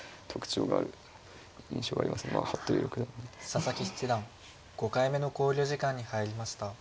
佐々木七段５回目の考慮時間に入りました。